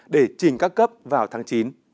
để chỉnh các cấp vào tháng chín